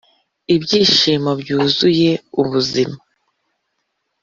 ibyishimo byuzuye ubuzima,